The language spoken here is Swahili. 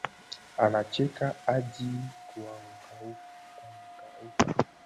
Anacheka hadi kuangauka